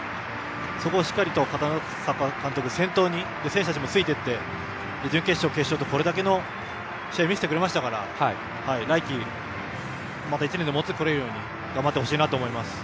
そこをしっかり片野坂監督を先頭に選手たちもついていって準決勝、決勝とこれだけの試合を見せてくれましたから来季、また１年で戻ってこれるよう頑張ってほしいと思います。